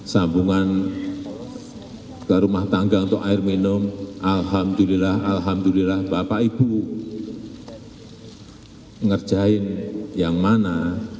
sambungan ke rumah tangga untuk air minum alhamdulillah bapak ibu ngerjain yang mana